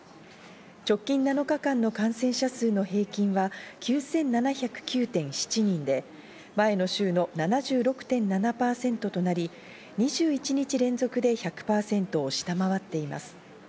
直近７日間の感染者数の平均は９７０９．７人で、前の週の７６．７％となり、２１日連続で１００％を下回っています。